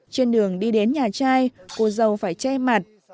trên đường đi đến nhà trai cô dâu phải che mặt